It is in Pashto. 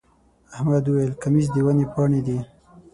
احمد وويل: کمیس د ونې پاڼې دی.